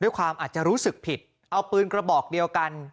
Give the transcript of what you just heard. ความอาจจะรู้สึกผิดเอาปืนกระบอกเดียวกัน